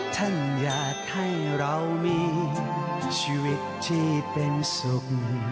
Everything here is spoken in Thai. ท่านอยากให้เรามีชีวิตที่เป็นสุข